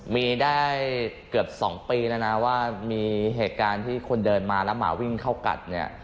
มีได้เกือบ๒ปีแล้วนะว่ามีเหตุการณ์ที่คนเดินมาแล้วหมาวิ่งเข้ากัดเนี่ย